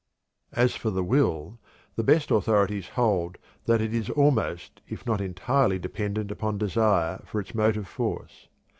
_" As for the will, the best authorities hold that it is almost if not entirely dependent upon desire for its motive force.